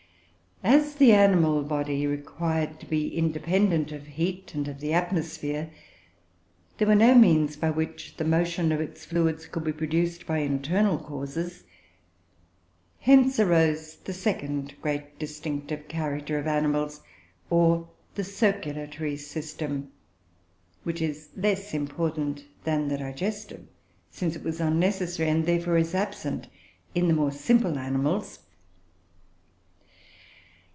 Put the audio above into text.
As the animal body required to be independent of heat and of the atmosphere, there were no means by which the motion of its fluids could be produced by internal causes. Hence arose the second great distinctive character of animals, or the circulatory system, which is less important than the digestive, since it was unnecessary, and therefore is absent, in the more simple animals.